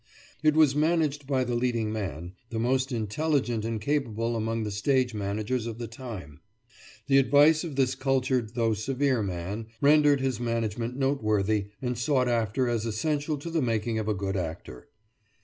It was managed by the leading man, the most intelligent and capable among the stage managers of the time. The advice of this cultured, though severe man, rendered his management noteworthy and sought after as essential to the making of a good actor.